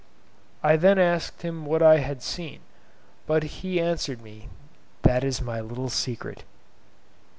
I then asked him what I had seen; but he answered me, "That is my little secret."